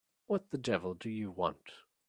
What the devil do you want?